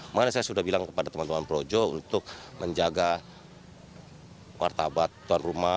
malah saya sudah bilang kepada teman teman pro jo untuk menjaga wartabat tuan rumah